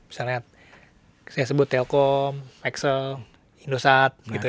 misalnya saya sebut telkom excel hindusat gitu ya